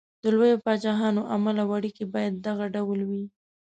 د لویو پاچاهانو عمل او اړېکې باید دغه ډول وي.